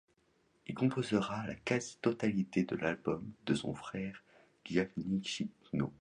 Il composera la quasi-totalité de l'album avec son frère Gioacchino.